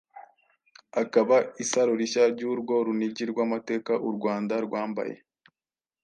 Akaba isaro rishya ry’urwo runigi rw’amateka u Rwanda rwambaye.